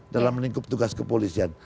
dalam meningkup tugas kepolisian